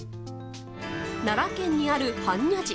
奈良県にある般若寺。